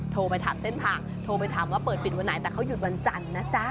โทรไปถามเส้นทางโทรไปถามว่าเปิดปิดวันไหนแต่เขาหยุดวันจันทร์นะจ๊ะ